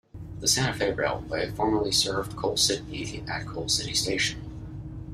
The Santa Fe Railway formerly served Coal City at Coal City Station.